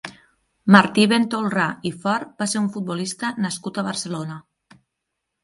Martí Ventolrà i Fort va ser un futbolista nascut a Barcelona.